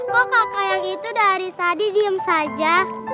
kok kakak yang itu dari tadi diem saja